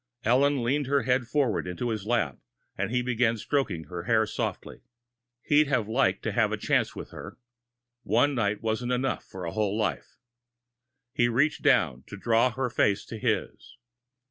Ellen leaned her head forward onto his lap, and he began stroking her hair softly. He'd have liked to have had a chance with her. One night wasn't enough for a whole life. He reached down to draw her face to his....